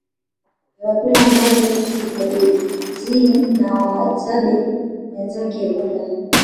Vyakula ambavyo Zigwadzee na Wahadzabe wenzake hula